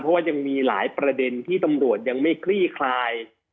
เพราะว่ายังมีหลายประเด็นที่ตำรวจยังไม่คลี่คลาย